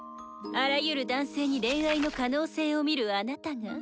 あらゆる男性に恋愛の可能性を見るあなたが。